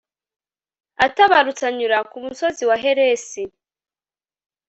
atabarutse anyura ku musozi wa heresi